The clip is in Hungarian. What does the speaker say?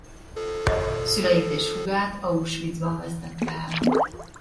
Szüleit és húgát Auschwitzban vesztette el.